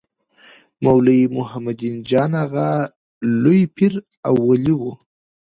مولوي محي الدین جان اغا لوی پير او ولي و.